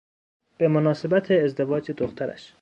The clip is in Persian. به مناسبت ازدواج دخترش